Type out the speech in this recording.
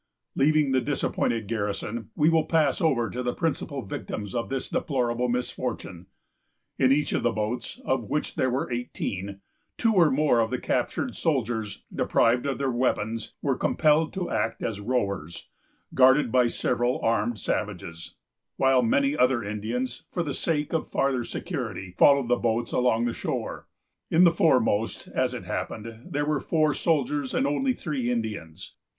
Leaving the disappointed garrison, we will pass over to the principal victims of this deplorable misfortune. In each of the boats, of which there were eighteen, two or more of the captured soldiers, deprived of their weapons, were compelled to act as rowers, guarded by several armed savages, while many other Indians, for the sake of farther security, followed the boats along the shore. In the foremost, as it happened, there were four soldiers and only three Indians.